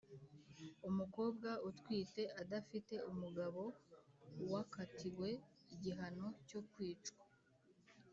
Umukobwa utwite adafite umugabo wakatiwe igihano cyo kwicwa